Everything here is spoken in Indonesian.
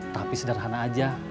tapi sederhana aja